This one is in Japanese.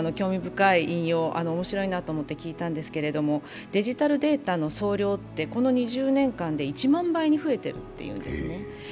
橋谷さんの興味深い引用、面白いなと思って聞いたんですけれどもデジタルデータの総量ってこの２０年間で１万倍に増えてるっていうんです。